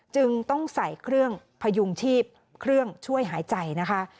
จึงต้องใส่เครื่องพยุงชีพเครื่องช่วยหายใจนะคะ